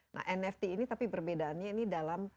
nah nft ini tapi perbedaannya ini dalam